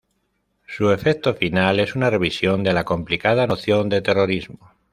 Su efecto final es una revisión de la complicada noción de terrorismo.